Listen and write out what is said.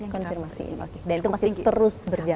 dan itu masih terus berjalan